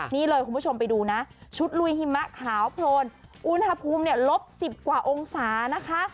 นี่เลยคุณผู้ชมไปดูนะชุดลุยหิมะขาวโพลนอุณหภูมิเนี่ยลบ๑๐กว่าองศานะคะ